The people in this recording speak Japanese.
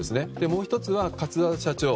もう１つは桂田社長